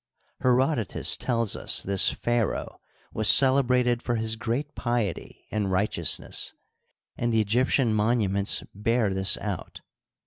Herodotus tells us this pharaoh was celebrated for his g^eat piety and righteous ness, and the Egyptian monuments bear this out.